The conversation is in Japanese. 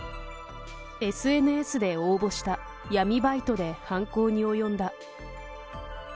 ＳＮＳで応募した闇バイトで犯行に及んだ。